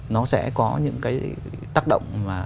nó sẽ có những tác động